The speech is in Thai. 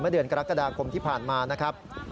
เดือนกรกฎาคมที่ผ่านมานะครับ